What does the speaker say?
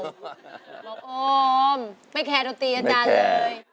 หมอโอมไม่แคร์ดนตรีอาจารย์เลย